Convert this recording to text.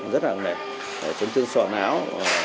ví dụ như là chấn thương sòm áo